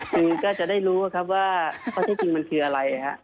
คือก็จะได้รู้ครับว่าข้อที่จริงมันคืออะไรฮะ